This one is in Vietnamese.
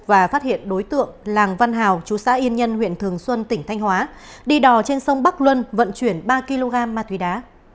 và phát hiện đối tượng làng văn hào chú xã yên nhân huyện thường xuân tỉnh thanh hóa đi đò trên sông bắc luân vận chuyển ba kg ma túy đá